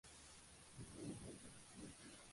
El graba un vídeo de despedida, sin embargo la Dra.